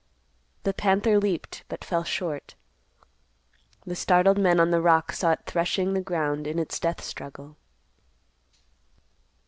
The panther leaped, but fell short. The startled men on the rock saw it threshing the ground in its death struggle.